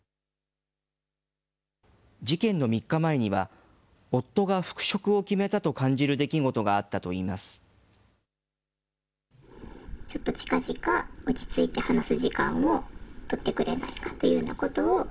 事件の３日前には、夫が復職を決めたと感じる出来事があったといいます。